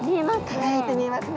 輝いて見えますね。